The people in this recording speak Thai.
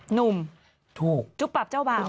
หนุ่มจุ๊บปรากเจ้าบาท